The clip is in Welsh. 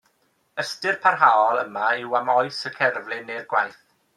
Ystyr parhaol yma yw am oes y cerflun neu'r gwaith.